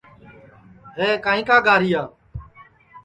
ہے کائیں کا گاریا